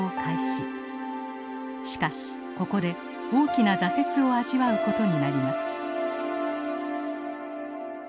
しかしここで大きな挫折を味わう事になります。